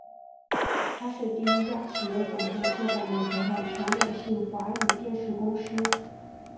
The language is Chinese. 它是第一家企业总部设在美国的全美性华语电视公司。